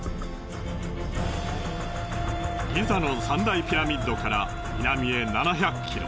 ギザの三大ピラミッドから南へ７００キロ。